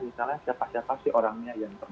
misalnya siapa siapa sih orangnya yang